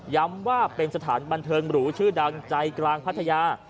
ย้ำว่าเป็นสถานบันเทิงหรูชื่อดังใจกลางพัทยา